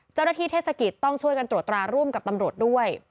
เจ้าหน้าที่เทศกิจต้องช่วยกันตรวจตราร่วมกับตำรวจด้วย